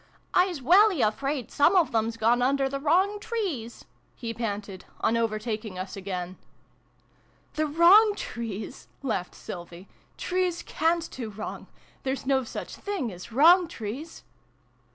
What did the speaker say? " I's welly afraid some of them's gone under the wrong trees !" he panted, on overtaking us again. " The wrong trees !" laughed Sylvie. " Trees cant do wrong ! There's no such things as wrong trees